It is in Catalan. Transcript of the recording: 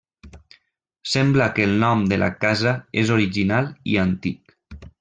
Sembla que el nom de la casa és original i antic.